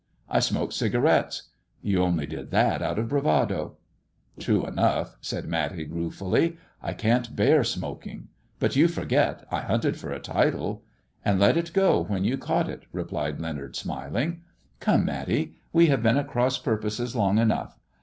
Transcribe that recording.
" I smoke cigarettes." You only did that out of bravado." True enough," said Matty, ruefully. I can't bear moking. But you forget I hunted for a title." " And let it go when you caught it," replied Leonard, miling. "Come, Matty, we have been at cross piu*poses ong enough.